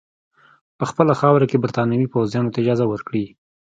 په خپله خاوره کې برټانوي پوځیانو ته اجازه ورکړي.